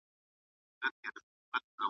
مزه اخلي هم له سپکو هم ښکنځلو ,